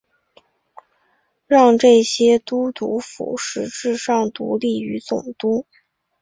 让这些都督府实质上独立于总督。